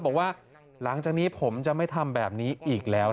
บอกว่าหลังจากนี้ผมจะไม่ทำแบบนี้อีกแล้ว